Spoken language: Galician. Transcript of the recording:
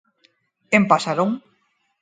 En Pasarón.